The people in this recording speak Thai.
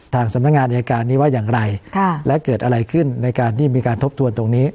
สำนักงานอายการนี้ว่าอย่างไรและเกิดอะไรขึ้นในการที่มีการทบทวนตรงนี้